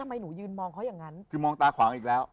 หนูยืนมองเขาอย่างนั้นคือมองตาขวางอีกแล้ว